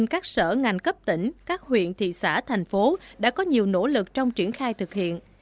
các sở ngành cấp tỉnh các huyện thị xã thành phố đã có nhiều nỗ lực trong triển khai thực hiện